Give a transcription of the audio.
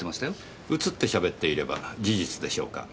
映ってしゃべっていれば事実でしょうか？